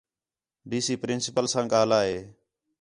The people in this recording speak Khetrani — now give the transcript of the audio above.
ڈی سی پرنسپل ساں ڳاہلا ہے